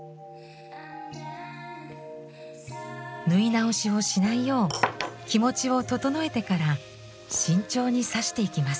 縫い直しをしないよう気持ちを整えてから慎重に刺していきます。